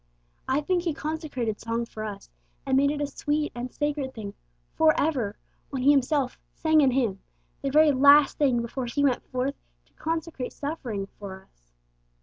I think He consecrated song for us, and made it a sweet and sacred thing for ever, when He Himself 'sang an hymn,' the very last thing before He went forth to consecrate suffering for us.